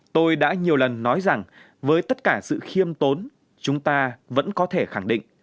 tôi đã nhiều lần nói rằng với tất cả sự khiêm tốn chúng ta vẫn có thể khẳng định